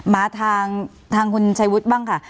มาทางคุณชัยวุฒิบ้างค่ะ